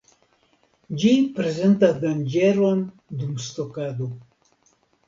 Ĝi prezentas danĝeron dum stokado.